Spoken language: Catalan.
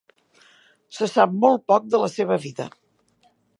Se sap molt poc de la seva vida.